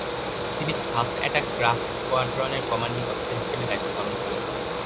তিনি fast attack craft স্কোয়াড্রনের commanding officer হিসেবে দায়িত্ব পালন করেন।